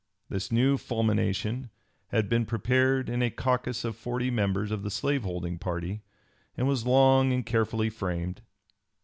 This new fulmination had been prepared in a caucus of forty members of the slave holding party, and was long and carefully framed.